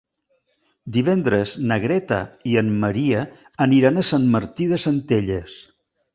Divendres na Greta i en Maria aniran a Sant Martí de Centelles.